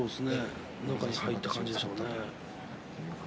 中に入った感じですね。